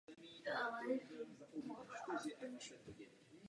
Nakonec je Wallace kvůli zradě ve vlastních řadách zajat královskými vojsky a popraven.